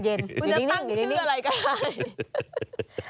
อยู่ด้านนี้อยู่ด้านนี้